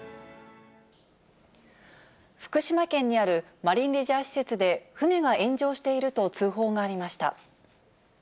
福島県にあるマリンレジャー施設で、船が炎上していると通報がありました。